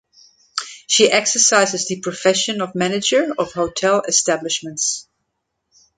She exercises the profession of manager of hotel establishments.